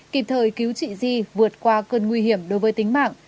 kịp thời cứu chị di vượt qua cơn nguy hiểm đối với tính mạng